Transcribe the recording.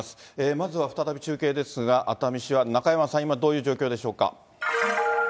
まずは再び中継ですが、熱海市は中山さん、今、どういう状況でしょうか。